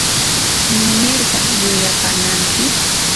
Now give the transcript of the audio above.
¿imanirta llullapamanki?